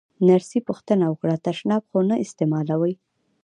نرسې پوښتنه وکړه: تشناب خو نه استعمالوې؟